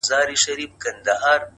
د خپل ژوند عکس ته گوري،